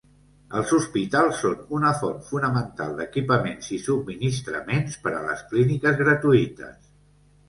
Els hospitals són una font fonamental d'equipaments i subministraments per a las clíniques gratuïtes.